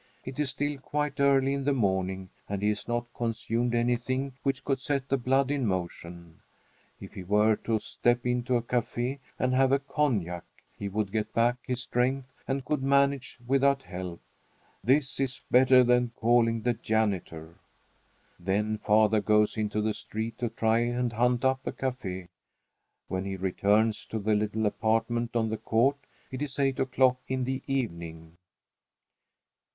It is still quite early in the morning and he has not consumed anything which could set the blood in motion. If he were to step into a café and have a cognac, he would get back his strength and could manage without help. This is better than calling the janitor. Then father goes into the street to try and hunt up a café. When he returns to the little apartment on the court, it is eight o'clock in the evening.